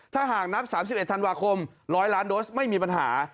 ถ้าหากนับ๓๑ธันวาคม๑๐๐ล้านโดสไม่มีปัญหา